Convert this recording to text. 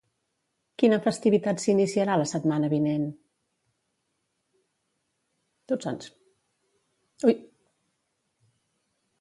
Quina festivitat s'iniciarà la setmana vinent?